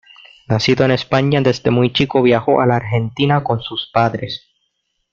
Nacido en España, desde muy chico viajó a la Argentina con sus padres.